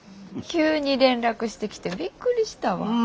急に連絡してきてびっくりしたわ。